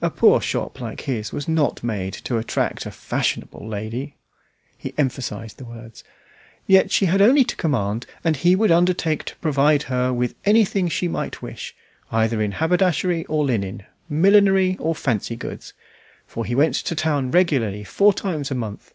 A poor shop like his was not made to attract a "fashionable lady"; he emphasized the words; yet she had only to command, and he would undertake to provide her with anything she might wish, either in haberdashery or linen, millinery or fancy goods, for he went to town regularly four times a month.